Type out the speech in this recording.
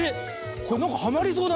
これなんかはまりそうだね。